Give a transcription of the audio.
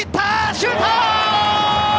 シュート！